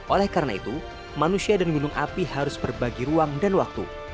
oleh karena itu manusia dan gunung api harus berbagi ruang dan waktu